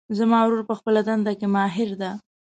زما ورور په خپلهدنده کې ماهر ده